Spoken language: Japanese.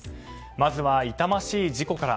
まずは痛ましい事故から。